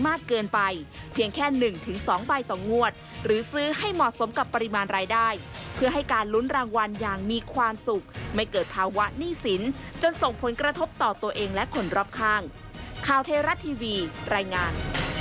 ไม่เกิดภาวะหนี้สินจนส่งผลกระทบต่อตัวเองและคนรอบข้างคาวเทราะห์ทีวีรายงาน